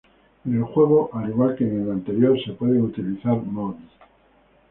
En el juego, al igual que en el anterior, se pueden utilizar Mods.